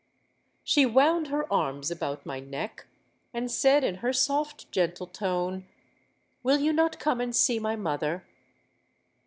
'—She wound her arms about my neck, and said in her soft gentle tone, 'Will you not come and see my mother?'